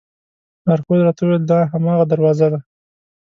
لارښود راته وویل دا هماغه دروازه ده.